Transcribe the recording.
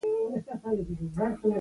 • د زنګ ساعت سهار پاڅېدل اسانوي.